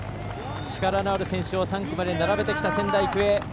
力のある選手を３区までに並べてきた仙台育英。